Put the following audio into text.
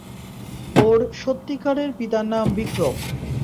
ওর সত্যিকারের পিতার নাম বিক্রম।